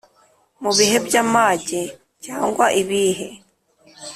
Mu bihe by’amage cyangwa ibihe